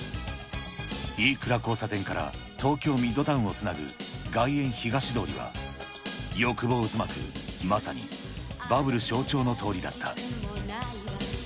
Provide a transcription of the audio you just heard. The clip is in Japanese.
飯倉交差点から東京ミッドタウンをつなぐ外苑東通りは、欲望渦巻くまさにバブル象徴の通りだった。